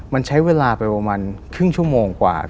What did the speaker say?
มันใช้เวลาไปประมาณครึ่งชั่วโมงกว่า